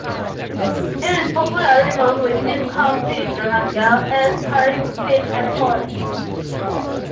It is popularly known within County Donegal as Carrickfinn Airport.